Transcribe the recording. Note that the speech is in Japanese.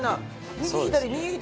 右左右左。